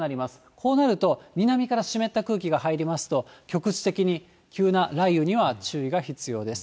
こうなると、南から湿った空気が入りますと、局地的に急な雷雨には注意が必要です。